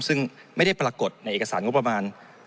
ซึ่งไม่ได้ปรากฏในเอกสารงบประมาณ